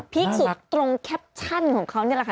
พีคสุดตรงแคปชั่นของเขานี่แหละ